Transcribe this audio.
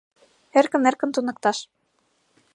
Эркын-эркын туныкташ.